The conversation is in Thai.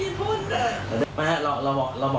มันก็ทำให้เราไม่ได้